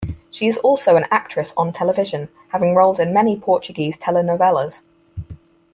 She is also an actress on television having roles in many Portuguese telenovelas.